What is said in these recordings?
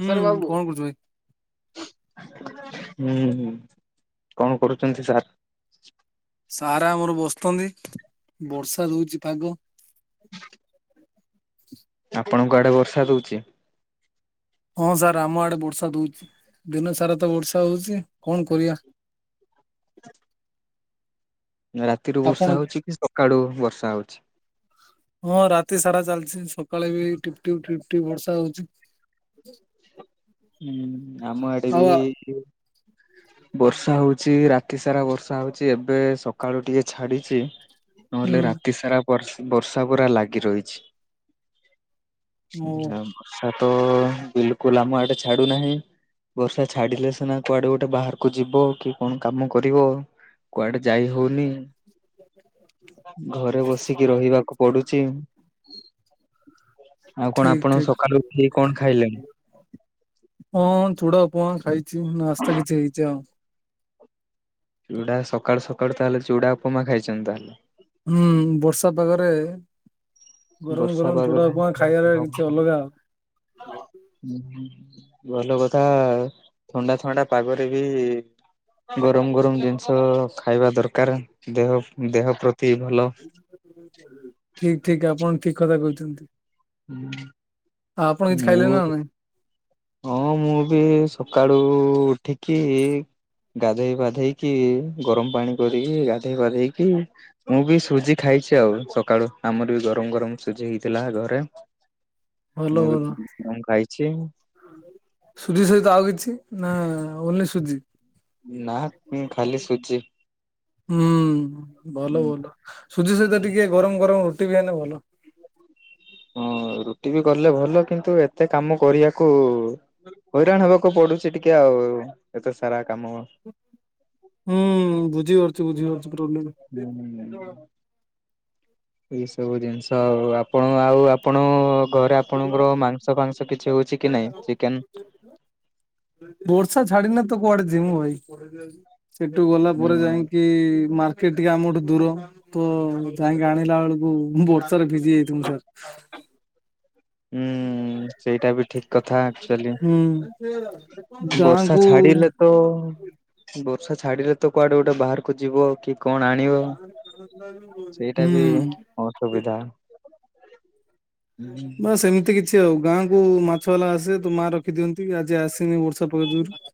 ହୁଁ କଣ କରୁଛୁ ଭାଇ? ହୁଁ ହଁ କଣ କରୁଛନ୍ତି ସାର୍। ସାରେ ଆମର ବସିଛନ୍ତି ବର୍ଷା ଦଉଛି ପାଗ। ଆପଣଙ୍କ ଆଡେ ବର୍ଷା ଦଉଚି। ହଁ ସାର୍ ଆମ ଆଡେ ବର୍ଷା ଦଉଛି ଦିନ ସାରା ତ ବର୍ଷା ହଉଛି କଣ କରିବା। ରାତିରୁୁ ଆପଣ ବର୍ଷା ହଉଛି କି ସକାଳୁ ବର୍ଷା ହଉଛି। ହଁ ରାତି ସାରା ଚାଲିଛି ସକାଳେ ବି ଟିପ୍ ଟିପ୍ ଟିପ୍ ଟିପ୍ ବର୍ଷା ହଉଛି। ହୁଁ ଆମ ଆଡେ ଆଉ ବି। ଆ- ବର୍ଷା ହଉଛି ରାତି ସାରା ବର୍ଷା ହଉଛି ଏବେ ସକାଳୁ ଟିକେ ଛାଡିଛିି। ନହେଲେ ହୁଁ ରାତି ସାରା ବର୍ ବର୍ଷା ପୁରା ଲାଗି ରହିଛି। ଓ ବୁଝିଲେ ଆଉ ବର୍ଷା ତ ବିଲକୁଲ ଆମ ଏଟେ ଛାଡୁ ନାହିଁ। ବର୍ଷା ଛାଡିଲେ ସିନା କୁଆଡେ ଗୋଟେ ବାହାରକୁ ଯିବ କି କଣ କାମ କରିବ। କୁଆଡେ ଯାଇ ହଉନି ଘରେ ବସିକି ରହିବାକୁ। ପଡୁଛି ଆଉ କଣ ଆପଣ ସକାଳୁ ଉଠିକି କଣ ଖାଇଲେଣି। ମୁଁ ଚୁଡା ଉପମା ଖାଇଛି ନାସ୍ତା କିଛି ହେଇଛି ଆଉ। ଚୁଡା ସକାଳୁ ସକାଳୁ ତାହେଲେ ଚୁଡା ଉପମା ଖାଇଛନ୍ତି ତାହେଲେ? ହୁଁ, ବର୍ଷା ପାଗରେ ଗରମ ବର୍ଷା ଗରମ ଚୁଡା ପାଗରେ ଉପମା ଖାଇବାରେ କିଛି ଅଲଗା ଅଁ, ହଁ ଭଲ କଥା ଥଣ୍ଡା ଥଣ୍ଡା ପାଗରେ ବି ଗରମ ଗରମ ଜିନିଷ ଖାଇବା ଦରକାର। ଦେହ ଦେହ ପ୍ରତି ଭଲ। ଠିକ ଠିକ ଆପଣ ଠିକ କଥା କହିଛନ୍ତି। ଓ ଆପଣ କିଛି ଖାଇଲେ ମୁଁ ନା ନାଇଁ? ହଁ ମୁଁ ବି ସକାଳୁ ଉଠିକି ଗାଧେଇ ପାଧେଇକି ଗରମ ପାଣି କରିକି ଗାଧେଇ ପାଧେଇକି ମୁଁ ବି ସୁଜି ଖାଇଛି ଆଉ। ସକାଳୁ ଆମର ବି ଗରମ ଗରମ ସୁଜି ହେଇଥିଲା ଘରେ। ମୁଁ ବି ତାହା ହିଁ ଖାଇଛି। ସୁଜିି ସହିତ ଆଉ କିଛି ନା ଓନ୍ଲି ସୁଜି? ନା ମୁଁ ଖାଲି ସୁଜି। ହୁଁ ଭଲ ଭଲ ସୁଜି ସହିତ ଟିକେ ଗରମ ଗରମ ରୁଟି ବି ହେନେ ଭଲ। ହଁ ରୁଟି ବି କଲେ ଭଲ କିନ୍ତୁ ଏତେ କାମ କରିବାକୁ ହଇରାଣ ହବାକୁ ପଡୁଛି ଟିକେ ଆଉ। ଏତେ ସାରା କାମ। ହୁଁ, ବୁଝି ପାରୁଛି ବୁଝିପାରୁଛି ପ୍ରୋବ୍ଲେମ୍। ହୁଁ। ଏଇ ସବୁ ଜିନିଷ ଆଉ ଆପଣ ଆଉ ଆପଣ ଘରେ ଆପଣଙ୍କର ମାଂସ ଫାଂସ କିଛି ହଉଛି କି ନାଇଁ ଚିକେନ୍? ବର୍ଷା ଛାଡିିନେ ତ କୁଆଡେ ଯିମୁ ଭାଇ। ସେଠୁ ଗଲା ହୁଁ ପରେ ଯାଇଁକି କି ମାର୍କେଟ୍ ଟିକେ ଆମଠୁ ଦୂର। ତ ଯାଇକି ଆଣିଲା ବେଳକୁ ବର୍ଷା ରେ ଭିଜି ଯାଇଥିବୁ ସାର୍। ହୁଁ। ସେଇଟା ବି ଠିକ କଥା ଆକ୍ଚୁଲି ହୁଁ। ଗାଁ ବର୍ଷା କୁ ଛାଡିଲେ ତ ବର୍ଷା ଛାଡିଲେ ତ କୁଆଡେ ଗୋଟେ ବାହାରକୁ ଯିବ କି କଣ ଆଣିବ ସେଇଟା ହୁଁ। ବି ଅସୁବିଧା। ହୁଁ। ନା ସେମିତି କି ସେ ଗାଁ କୁ ମାଛ ବାଲା ଆସେ ତ ମା ରଖିଦିଅନ୍ତି ଆଜି ଆସିନି ବର୍ଷା ପାଗ ଯୋଗୁରୁ।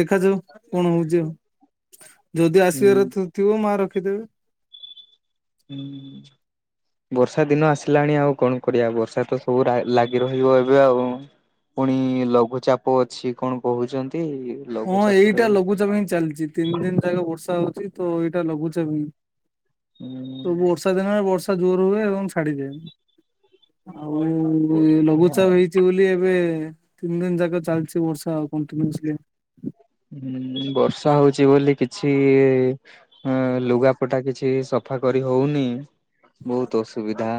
ଦେଖାଯାଉ କଣ ହଉଚି ଆଉ ଯଦି ହୁଁ ଆସିବାର ଥି ଥିବ ମା ରଖିଦେବେ। ହୁଁ। ବର୍ଷା ଦିନ ଆସିଲାଣି ଆଉ କଣ କରିବା। ବର୍ଷା ତ ସବୁ ରା-ଲାଗି ରହିବ ଏବେ ଆଉ। ପୁଣି ଲଘୁଚାପ ଅଛି କଣ କହୁଚନ୍ତି। ହଁ ଏଇଟା ଲଘୁଚାପ ହିଁ ଚାଲିଚି। ତିନି ଦିନ ଯାକ ବର୍ଷା ହଉଛି ତ ଏଇଟା ଲଘୁଚାପ ହିଁ। ତ ବର୍ଷା ଦିନରେ ବର୍ଷା ଜୋର ହୁଏ ଏବଂ ଛାଡିଯାଏ। ଆଉ ହୁଁ ଏ ଲଘୁଚାପ ହେଇଚି ବୋଲି ଏ ବେ ତିନି ଦିନ ଯାକ ଚାଲିଛି ବର୍ଷା ଆଉ କଣ୍ଟିନିଉସ୍ଲି। ହୁଁ, ବର୍ଷା ହଉଚି ବୋଲି କିଛି ଇଏ ହଁ ଲୁଗାପଟା କିଛି ସଫା କରି ହଉନି ବହୁତ ଅସୁବିଧା।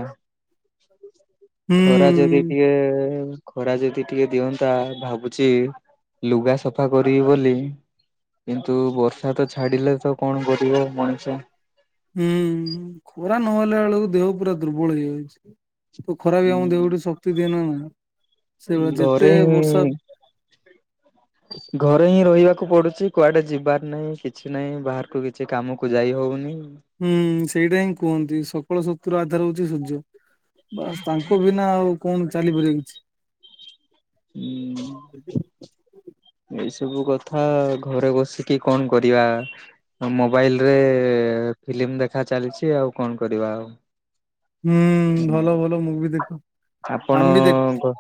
ହୁଁ। ତା ଯୋଗିଟିଏ ଖରା ଯଦି ଟିକେ ଦିଅନ୍ତା ଭାବୁଛି ଲୁଗା ସଫା କର ରିବି ବୋଲି କିନ୍ତୁ ବର୍ଷା ତ ଛାଡିଲେ ତ କଣ କରିବ ମଣିଷ। ହୁଁ, ଖରା ନହେଲା ବେଳକୁ ଦେହ ପୁରା ଦୁର୍ବଳ ହେଇଯାଉଛି। ତ ଖରା ବି ଆମ ଦେହକୁ ଟିକେ ଶକ୍ତି ଦିଏ ନା ନା। ସେଇଭଳିଆ ଯେତେ ଘରେବି ବର୍ଷା ଘରେ ହିଁ ରହିବାକୁ ପଡୁଛି। କୁଆଡେ ଯିବାର ନାହିଁ କିଛି ନାହିଁ ବାହାରକୁ କି ଛି କାମକୁ ଯାଇ ହଉନି। ଉଁ, ସେଇଟା ହିଁ କୁହନ୍ତି ସକଳ ଶକ୍ତିର ଆଧାର ହଉଛି ସୂର୍ଯ୍ୟ। ବାସ୍ ତାଙ୍କ ବିନା ଆଉ, କଣ ଚାଲିପାରିବ କିଛି? ଏଇ ସବୁ କଥା, ଘରେ ବସିକି କଣ କରିବା? ମୋବାଇଲ ରେ-ଏ-ଏ ଫିଲ୍ମ ଦେଖା ଚାଲିଛି। ଆଉ କଣ କରିବା ଆଉ? ହୁଁ, ଭଲ ଭଲ ମୁଭି ଦେଖ। ଆପଣ ଆମ ବି ଦେଖ୍ ଘ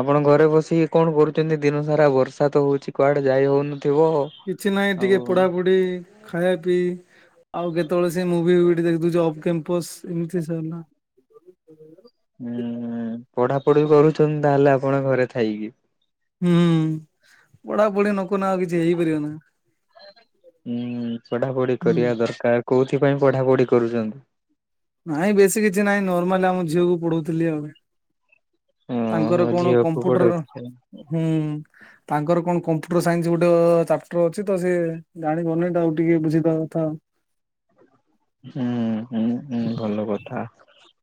ଆପଣ ଘରେ ବସିକି କଣ କରୁଛନ୍ତି? ଦିନ ସାରା ବର୍ଷା ତ ହଉଛି, କୁଆଡେ ଯାଇ ହଉନଥିବ-ଅ? କିଛି ନାହିଁ, ଟିକେ ପଢ଼ାପୁଢ଼ି ଖାଇବା ପିଇ ଆଉ, କେତେବେଳେ ସେ ମୁଭିଫୁଭି ଟି ଦେଖ୍ ଦଉଛି ଅଫ୍ କେମ୍ପସ୍ ଇମତି ସରଲା। [inaudible] ହୁଁ, ପଢାପଢି କରୁଛନ୍ତି, ତାହେଲେ ଆପଣ ଘରେ ଥାଇକି। ହୁଁ, ପଢାପଢି ନକନା ଆଉ କିଛି ହେଇପାରିବ ନା? ହୁଁ, ପଢ଼ାପଢ଼ି ହୁଁ। କରିବା ଦରକାର। କଉଥିପାଇଁ ପଢ଼ାପଢ଼ି କରୁଛନ୍ତି? ନାଇଁ ବେଶୀ କିଛି ନାହିଁ। ନର୍ମାଲ ଆମ ଝିଅକୁ ପଢ଼ଉଥିଲି ଆଉ। ତାଙ୍କର ଓହୋ କଣ ଝିଅକୁ କମ୍ପୁଟର୍ ପଢଉଥିଲେ ହୁଁ, ତାଙ୍କର କଣ କମ୍ପୁଟର୍ ସାଇନ୍ସ ଗୋଟେ ଚାପ୍ଟର ଅଛି, ତ ସେ ଜାଣିପାରୁନି, ଟ ଆଉ ଟିକେ ବୁଝେଇଦବା ଥା। ହୁଁ, ହୁଁ, ହୁଁ ଭଲ କଥା।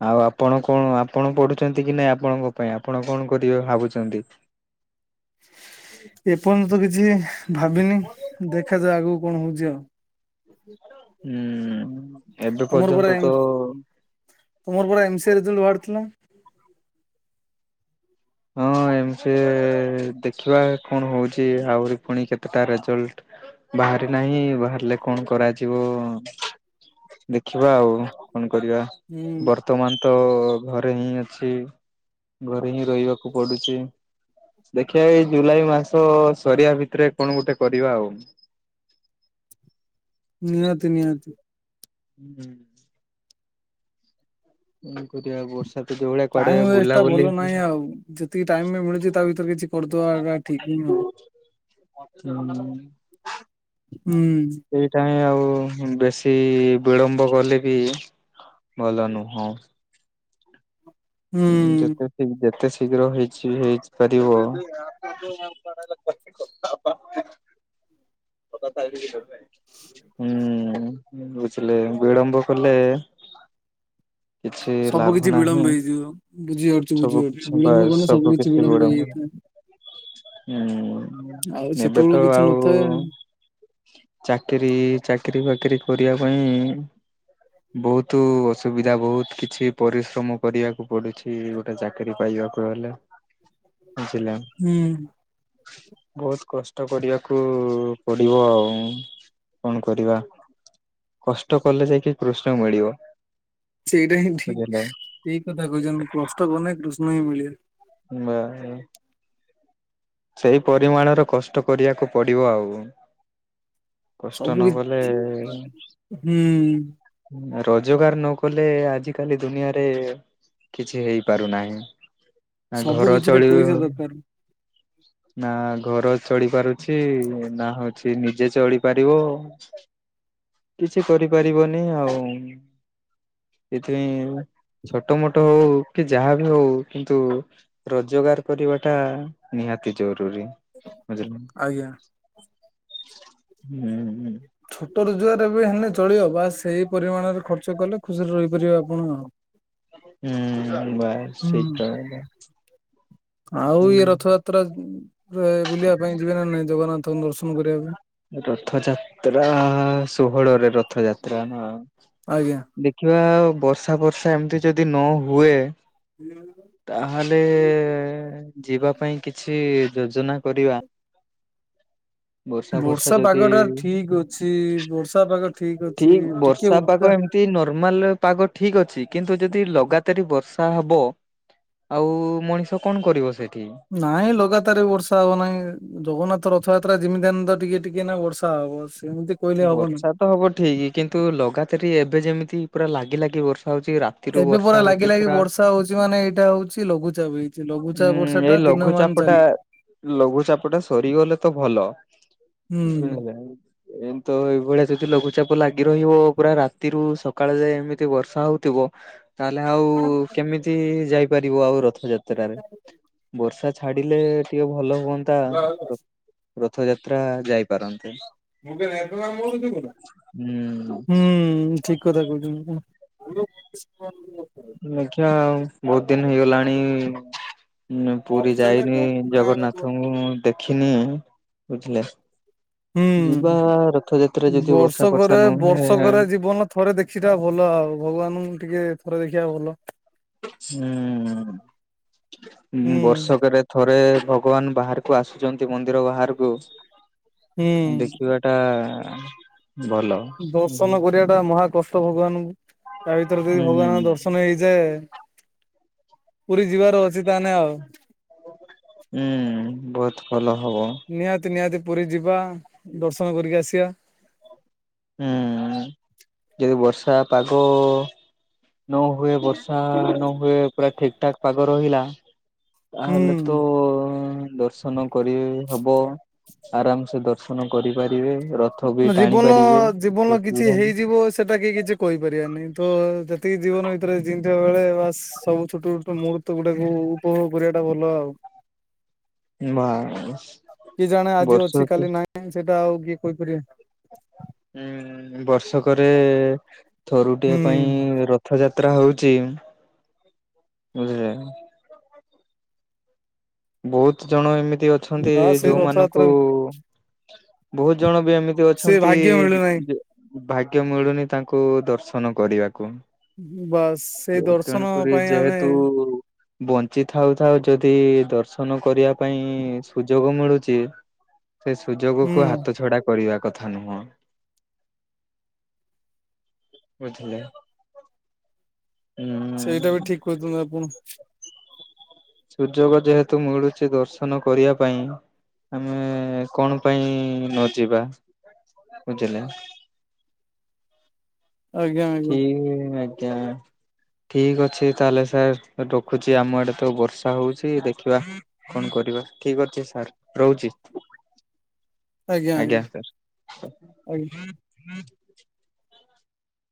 ଆଉ, ଆପଣ କଣ ଆପଣ ପଢ଼ୁଛନ୍ତି କି ନାଇଁ ଆପଣଙ୍କ ପାଇଁ? ଆପଣ କଣ କରିବେ ଭାବୁଛନ୍ତି? ଏପନ୍ତ କିଛି ଭାବିନି? ଦେଖାଯାଉ, ଆଗକୁ କଣ ହଉଛି ଆଉ? ହୁଁ ଏବେ ତମର ପର୍ଯ୍ୟନ୍ତ ପରା ତ ଏମ୍ ତୁମର ପରା ଏମ୍ ସି ଏ ରେଜଲ୍ଟ ବାହାରି ଥିଲା? ହଁ, ଏମ୍ ସି ଏ-ଏ ଦେଖିବା କଣ ହଉଛି! ଆହୁରି ପୁଣି କେତେଟା ରେଜଲ୍ଟ? ବାହାରି ନାହିଁ। ବାହାରିଲେ କଣ କରାଯିବ-ଅଁ? ଦେଖିବା ଆଉ କଣ କରିବା? ହୁଁ। ର୍ତ୍ତମାନ ତ ଘରେ ହିଁ ଅଛି। ଘରେ ହିଁ ରହିବାକୁ ପଡୁଛି। ଦେଖିବା ଏଇ ଜୁଲାଇ ମାସ-ଅ ସରିବା ଭିତରେ, କଣ ଗୁଟେ କରିବା ଆଉ? ନିହାତି, ନିହାତି ହୁଁ, ହୁଁ। ଏମ୍ କରିବା ଆଉ ବର୍ଷେପ ଟାଇମ୍ ୱେଷ୍ଟ ଟା ଭଲ ନାହିଁ ଆଉ। ଯେତିକି ଟାଇମ୍ ବି ମିଳୁଛି। ତା ଭିତରେ କିଛି କରିଦବା ଗା ଠିକ୍ ହିଁ ହବ। ହୁଁ। ହୁଁ। ଏଇଟା ହିଁ ଆଉ, ବେଶୀ ବିଳମ୍ବ ଗଲେ ବି ଭଲ ନୁହଁ। ହୁଁ ଯେତେ ଶୀଗ୍ ଯେତେ ଶୀଘ୍ର ହେଇଛି, ହେଇଚିପାରିବ [inaudible] ହୁଁ, ବୁଝିଲେ ବିଳମ୍ବ କଲେ କିଛି ସବୁ ଲାଭ କିିଛି ନାହିଁ ବିଳମ୍ବ ହେଇଯିବ। ବୁଝି ପାରୁଛୁ, ବୁଝି ପାରୁଛୁ ବିଳମ୍ବ କନେ ସବୁ କିଛି ବିଳମ୍ବ ହେଇଯାଇଥାଏ। ହୁଁ, ଆଉ ଏବେ ସେତେବେଳକୁ ତ କିଛି ନଥାଏ। ଆଉ-ଉ ଚାକିରୀ-ଇ, ଚାକିରୀ ଫାକିରୀ କରିବା ପାଇଁ ବହୁତୁ ଅସୁବିଧା ବହୁତ କିଛି ପରିଶ୍ରମ କରିବାକୁ ପଡୁଛି। କି ଗୋଟେ ଚାକିରି ପାଇବାକୁ ହେଲେ, ବୁଝିଲାଁ ହୁଁ। ବହୁତ କଷ୍ଟ କରିବାକୁ ପଡିବ ଆଉଁ। କଣ କରିବା, କଷ୍ଟ କଲେ ଯାଇକି କୃଷ୍ଣ ମିଳିବ। ସେଇଟା ହିଁ ଠିକ୍। ବୁଝିଲେ ସେଇ କଥା କହୁଛନ କଷ୍ଟ କନେ କୃଷ୍ଣ ହିଁ ମିଳିବେ। ବା-ଆ ସେଇ ପରିମାଣର କଷ୍ଟ କରିଆକୁ ପଡିବ ଆଉ। କଷ୍ଟ ସବୁ କି ନଗଲେ-ଏ ହୁଁ ରୋଜଗାର ନ କଲେ ଆଜିିକାଲି ଦୁନିଆରେ କିଛି ହେଇପାରୁନାହିଁ ନା ସବୁ ଘର କିଛିରେ ପଇସା ଚଳିବ ଦରକାର ନା ଘର ଚଳି ପାରୁଛି ନା ହଉଚି ନିଜେ ଚଳିପାରିବ କିଛି କରିପାରିବନି ଆଉ। ସେଏଥିପାଇଁ ଛୋଟ ମୋଟ ହଉ କି ଯାହା ବି ହଉ କିନ୍ତୁ ରୋଜଗାର କରିବା ଟା ନିହାତି ଜରୁୀ ବୁଝିଲ? ଆଜ୍ଞା। ହୁଁ ହୁଁ। ଛୋଟ ରୋଜଗାର ଏବେ ହେଲେ ଚଳିବ ବାସ୍ ସେଇ ପରିମାଣରେ ଖର୍ଚ୍ଚ କଲେ ଖୁସିରେ ରହିପାରିବେ ଆପଣ ଆଉ। ହୁଁ ବାସ୍ ହୁଁ। ସେଇ ଏକା କଥା ଆଉ ଇଏ ରଥଯାତ୍ରା ରେ ବୁଲିବା ପାଇଁ ଯିବେ ନା ନାଇଁ ଜଗନ୍ନାଥଙ୍କୁ ଦର୍ଶନ କରିବା ପାଇଁ? ରଥଯାତ୍ରା ଷୋହଳରେ ରଥଯାତ୍ରା ନା ଆଜ୍ଞା। ଦେଖିବା ବର୍ଷା ବର୍ଷା ଏମିତି ଯଦି ନ ହୁଏ ହୁଁ ତାହେଲେ ଯିବା ପାଇଁ କିଛି ଯୋଜନା କରିବା ବର୍ଷା ବର୍ଷା ଯଦି ପାଗ ଟା ଠିକ ଅଛି ବର୍ଷା ପାଗ ଅଛି ଠିକ ଟିକେ ବର୍ଷା ଉଦା ପାାଗ ଏମ ଟି ନର୍ମାଲ ପାଗ ଠିକ ଅଛି କିନ୍ତୁ ଯଦି ଲଗାତାର ବର୍ଷା ହବ ଆଉ ମଣିଷ କଣ କରିବ ସେଠି ନାଇଁ ଲଗାତାର ବି ବର୍ଷା ହବ ନାହିଁ ଜଗନ୍ନାଥ ରଥଯାତ୍ରା ଯେମିତି ହେନେ ଟିକେ ଟିକେ ନା ବର୍ଷା ହବ ସେମିତି କହିଲେ ହବନି। ବର୍ଷା ତ ହବ ଠିକ କିନ୍ତୁ ଲଗାତାର ଏବେ ଯେମିତି ପୁରା ଲାଗି ଲାଗି ବର୍ଷା ହଉଚି ରା ତିରୁ ଏବେ ବର୍ଷା ପରା ହଉଛି ଲାଗି ଲାଗି ପୁରା ବର୍ଷା ହଉଚି ମାନେ ଏଇଟା ହଉଚି ଲଘୁଚାପ ହେଇଚି ଲଘୁଚାପ ବର୍ଷା ଟା ଦିନ ମ ଚାପଟା ଲଘୁଚାପ ଟା ସରିଗଲେ ତ ଭଲ ହୁଁ ବୁଝିଲେକି ଏମିତ ଏଇଭଳିଆ ଯଦି ଲଘୁଚାପ ଲାଗି ରହିବ ପୁରା ରାତିରୁ ସକାଳେ ଯାଏଁ ଏମିତି ବର୍ଷା ହଉଥିବ ତାହେଲେ ଆଉ କେମିତି ଯାଇପାରିବ ଆଉ ରଥଯାତ୍ରାରେ ବର୍ଷା ଛାଡିଲେ ଟିକେ ଭଲ ହୁଅନ୍ତା ର ରଥଯାତ୍ରା ଯାଇପାରନ୍ତେ। ହୁଁ ହୁଁ ଠିକ କଥା କହୁଛୁ ଦେଖିବା ବହୁତ ଦିନ ହେଇଗଲାଣି ନ ପୁରୀ ଯାଇନି ଜଗନ୍ନାଥଙ୍କୁ ମୁଁ ଦେଖିନି ବୁଝିଲେ ଯିବା ରଥଯାତ୍ରା ହୁଁ ଯଦି ବର୍ଷା ବର୍ଷ ଫର୍ଷା କରେ ନହୁଏ ବର୍ଷ କରେ ଜୀବନ ଥରେ ଦେଖି ଟା ଭଲ ଆଉ ଭଗବାନଙ୍କୁ ଟିକେ ଥରେ ଦେଖିବା ଭଲ ହୁଁ ହୁଁ ବର୍ଷକରେ ଥରେ ଭଗବାନ ବାହାରକୁ ଆସୁଚନ୍ତି ମନ୍ଦିର ବାହାରକୁ ହୁଁ ଦେଖିବା ଟା ଭଲ ହୁଁ ଦର୍ଶନ କରିବା ଟା ମହା କଷ୍ଟ ଭଗବାନଙ୍କୁ ତା ଭିତରେ ହୁଁ ଯଦି ଭଗବାନଙ୍କ ଦର୍ଶନ ସନ ହେଇଯାଏ ପୁରୀ ଯିବାର ଅଛି ତାନେ ଆଉ ହୁଁ ବହୁତ ଭଲ ହବ ନିହାତି ନିହାତି ପୁରୀ ଯିବା ଦର୍ଶନ କରିକି ଆସିବା ହୁଁ ଯଦି ବର୍ଷା ପାଗ ନ ହୁଏ ବର୍ଷା ନ ହୁଏ ପୁରା ଠିକ ଠାକ୍ ପାଗ ରହିଲା ତାହେଲେ ତ ହୁଁ। ଦର୍ଶ ଦର୍ଶନ କରି ହବ ଆରାମ ସେ ଦର୍ଶନ କରିପାରିବେ ରଥ ଅଗି ଟାଣି ପାରିବେ ଜୀବନର କିଛି ହେଇଯିବ ସେଟା କେହି କିଛି କହିପାରିବାନି ତ ଜେତିକି ଜୀବନ ଭିତରେ ଜିଁଥିବ ବେଳେ ବାସ୍ ସବୁ ଛୋଟ ଛୋଟ ମୁହୂର୍ତ୍ତ ଗୁଡାକୁ ଉପଭୋଗ କରିବାଟା ଭଲ ଆଉ। ବାସ କିଏ ଜାଣେ ଆଜି ଅଛି କାଲି ନାହିଁ, ସେଇଟା ଆଉ କିଏ କହିପାରିବେ? ଉଁ ବର୍ଷକରେ ଥରୁଟିଏ ପାଇଁ ହୁଁ ର ରଥଯାତ୍ରା ହଉଛି, ବୁଝିଲେ ବହୁତ ଜଣ ଏମିତି ଅଛନ୍ତି, ବା ସେ ରଥଯାତ୍ରା ଯୋଉମାନଙ୍କୁ ବହୁତ ଜଣ ବି ଏମି ତି ସେ ଅଛନ୍ତି ଭାଗ୍ୟ ମିଳୁନାହିଁ। ଭାଗ୍ୟ ମିଳୁନି ତାଙ୍କୁ ଦର୍ଶନ କରିଆକୁ। ବାସ୍ ସେଇ ଯୋଉ ଦର୍ଶନ ତେଣୁକରି ପାଇଁ ଆମେ ଯେହେତୁ ବଞ୍ଚି ଥାଉ ଥାଉ ଯଦି ଦର୍ଶନ କରିବା ପାଇଁ, ସୁଯୋଗ ମିଳୁଛି। ସେ ହୁଁ ସୁଯୋଗକୁ ହାତ ଛଡା କରିବା କଥା ନୁହଁ। ବୁଝିଲେ। ଉଁ ସେଇଟା ବି ଠିକ କହୁଛନ୍ତି ଆପଣ। ସୁଯୋଗ ଯେହେତୁ ମିଳୁଛି ଦର୍ଶନ କରିଆ ପାଇଁ। ଆମେ କଣ ପାଇଁ ନ ଯିବା, ବୁଝିଲେ। ଆଜ୍ଞା ଆଜ୍ଞା ଠିକ ଆଜ୍ଞା। ଠିକ ଅଛି ତାହେଲେ ସାର୍ ରଖୁଛି, ଆମ ଆଡେ ତ ବର୍ଷା ହଉଛି ଦେଖିବା। କଣ କରିବା, ଠିକ ଅଛି ସାର୍ ରହୁଛି। ଆଜ୍ଞା ସାର୍।